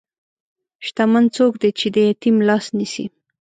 شتمن څوک دی چې د یتیم لاس نیسي.